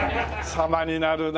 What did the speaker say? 様になるな。